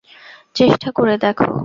চেষ্টা করে দেখো।